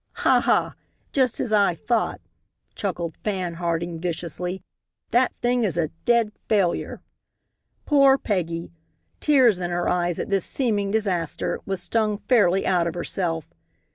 "Ha! Ha! just as I thought," chuckled Fan Harding, viciously, "that thing is a dead failure." Poor Peggy, tears in her eyes at this seeming disaster, was stung fairly out of herself.